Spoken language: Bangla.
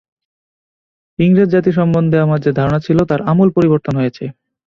ইংরেজ জাতি সম্বন্ধে আমার যে ধারণা ছিল, তার আমূল পরিবর্তন হয়েছে।